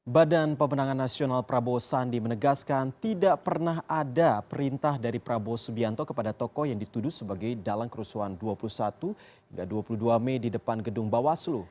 badan pemenangan nasional prabowo sandi menegaskan tidak pernah ada perintah dari prabowo subianto kepada tokoh yang dituduh sebagai dalang kerusuhan dua puluh satu hingga dua puluh dua mei di depan gedung bawaslu